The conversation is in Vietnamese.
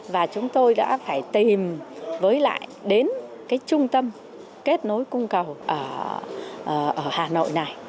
và chúng tôi đã phải tìm với lại đến cái trung tâm kết nối cung cầu ở hà nội này